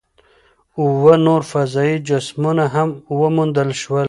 اووه نور فضايي جسمونه هم وموندل شول.